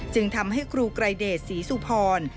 จึงทำให้ครูไกรเดชศรีสุพร